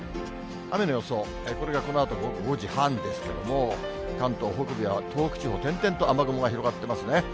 雨の予想、これがこのあと午後５時半ですけれども、関東北部や東北地方、点々と雨雲が広がってますね。